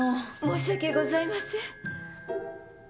申し訳ございません。